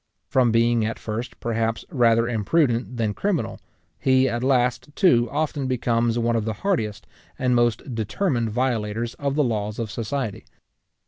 From being at first, perhaps, rather imprudent than criminal, he at last too often becomes one of the hardiest and most determined violators of the laws of society.